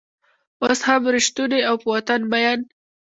اوس هم رشتونی او په وطن مین